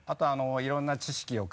いろんな知識をね。